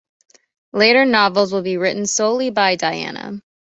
Later novels will be written solely by Dianna.